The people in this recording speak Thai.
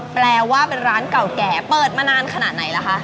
แปลว่าเป็นร้านเก่าแก่เปิดมานานขนาดไหนล่ะคะ